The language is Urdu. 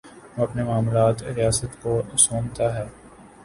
وہ اپنے معاملات ریاست کو سونپتا ہے۔